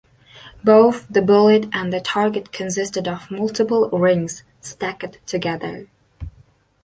Both the bullet and the target consisted of multiple rings stacked together.